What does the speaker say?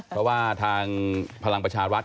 เพราะว่าทางพลังประชารัฐ